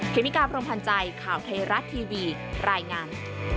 เมกาพรมพันธ์ใจข่าวไทยรัฐทีวีรายงาน